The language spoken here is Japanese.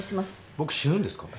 僕死ぬんですか？